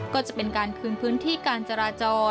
ก็จะเป็นการคืนพื้นที่การจราจร